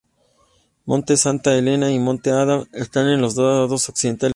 Monte Santa Helena y Monte Adams están en los lados occidental y oriental.